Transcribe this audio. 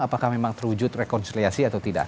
apakah memang terwujud rekonsiliasi atau tidak